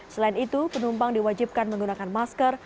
selain itu penumpang diwajibkan menggunakan masker